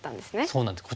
そうなんです。